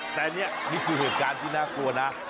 แต่นี่นี่คือเหตุการณ์ที่น่ากลัวนะ